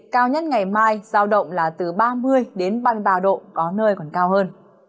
cao nhất ngày mai giao động là từ ba mươi đến ba mươi ba độ có nơi còn cao hơn